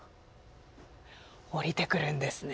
おりてくるんですね。